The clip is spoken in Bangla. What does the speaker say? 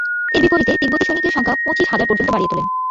এর বিপরীতে তিব্বতী সৈনিকের সংখ্যা পঁচিশ হাজার পর্যন্ত বাড়িয়ে তোলেন।